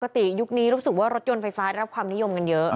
ยุคนี้รู้สึกว่ารถยนต์ไฟฟ้าได้รับความนิยมกันเยอะ